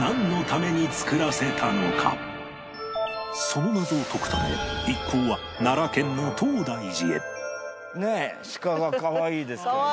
その謎を解くため一行は奈良県の東大寺へねえシカがかわいいですけど。